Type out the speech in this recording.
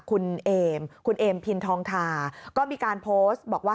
คุณเอมคุณเอมพินทองทาก็มีการโพสต์บอกว่า